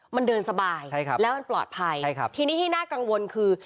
มันเดินสบายใช่ครับแล้วมันปลอดภัยใช่ครับทีนี้ที่น่ากังวลคือ